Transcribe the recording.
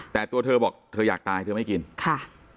แต่ตัวเธอบอกเธออยากตายเธอไม่กินค่ะ